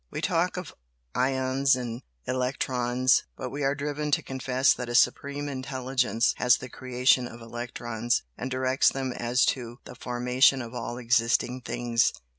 We talk of 'ions' and 'electrons' but we are driven to confess that a Supreme Intelligence has the creation of electrons, and directs them as to the formation of all existing things.